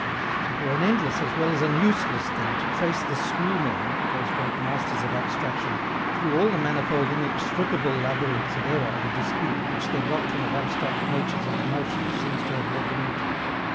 It were an endless as well as an useless thing to trace the SCHOOLMEN, those great masters of abstraction, through all the manifold inextricable labyrinths of error and dispute which their doctrine of abstract natures and notions seems to have led them into.